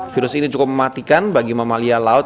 virus ini cukup mematikan bagi mamalia laut